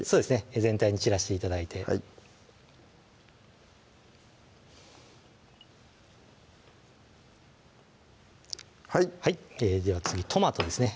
全体に散らして頂いてはいでは次トマトですね